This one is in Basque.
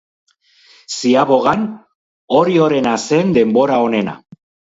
Ziabogan, Oriorena zen denbora onena.